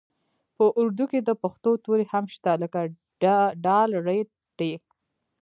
په اردو کې د پښتو توري هم شته لکه ډ ړ ټ